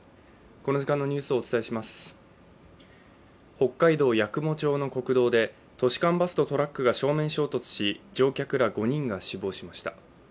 北海道八雲町の国道で都市間バスとトラックが正面衝突し、乗客ら５人が死亡しました。